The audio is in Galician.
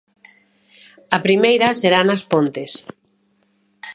A primeira será nas Pontes.